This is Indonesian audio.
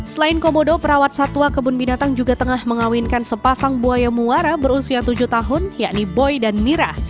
selain komodo perawat satwa kebun binatang juga tengah mengawinkan sepasang buaya muara berusia tujuh tahun yakni boy dan mira